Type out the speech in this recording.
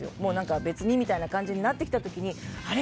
別にみたいな感じになってきた時にあれ？